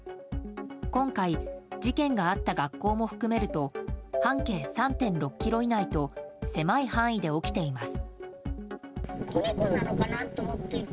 今回事件があった学校も含めると半径３．６ｋｍ以内と狭い範囲で起きています。